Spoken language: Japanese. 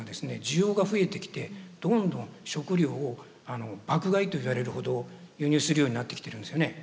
需要が増えてきてどんどん食料を爆買いと言われるほど輸入するようになってきてるんですよね。